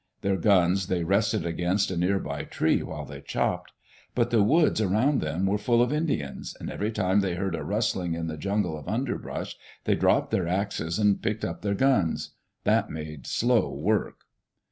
Their guns they rested against a near by tree while they chopped. But the woods around them were full of Indians, and every time they heard a rustling in the jungle of underbrush they dropped their axfes and picked up their guns. That made slow work.